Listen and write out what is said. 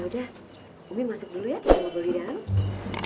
yaudah umi masuk dulu ya kita mau boli dahan